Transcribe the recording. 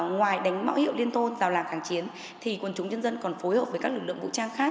ngoài đánh bão hiệu liên tôn rào làng kháng chiến quần chúng nhân dân còn phối hợp với các lực lượng vũ trang khác